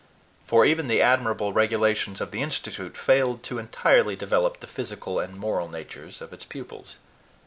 For even the admirable regulations of the Institute failed to entirely develop the physical and moral natures of its pupils.